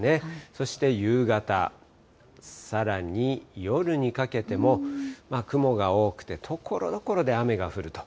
そして夕方、さらに夜にかけても、雲が多くて、ところどころで雨が降ると。